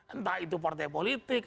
entah itu partai politik